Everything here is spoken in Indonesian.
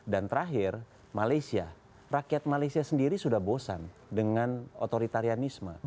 dan terakhir malaysia rakyat malaysia sendiri sudah bosan dengan otoritarianisme